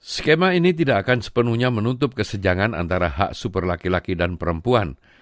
skema ini tidak akan sepenuhnya menutup kesejangan antara hak super laki laki dan perempuan